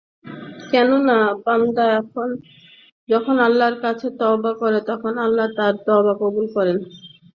কেননা, বান্দা যখন আল্লাহর কাছে তওবা করে তখন আল্লাহ তার তওবা কবূল করেন।